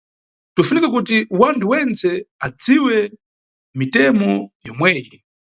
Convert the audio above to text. Bzinʼfunika kuti wanthu wentse adziwe mitemo yomweyi.